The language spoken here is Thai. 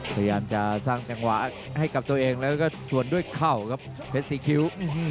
พยายามจะสร้างจังหวะให้กับตัวเองแล้วก็สวนด้วยเข่าครับเพชรสี่คิ้ว